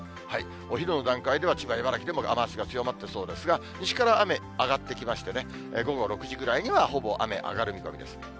お昼の段階では千葉、茨城でも雨足が強まってそうですが、西から雨、上がってきましてね、午後６時ぐらいには、ほぼ雨上がる見込みです。